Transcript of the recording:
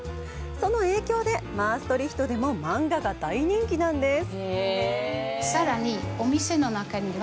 その影響で、マーストリヒトでも漫画が大人気なんです！